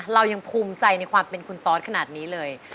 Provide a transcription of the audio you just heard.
เรายังภูมิใจในความเป็นคุณตอสขนาดนี้เลย